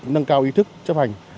nâng cao ý thức chấp hành